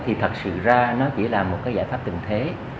thì thật sự ra nó chỉ là một cái giải pháp tình thế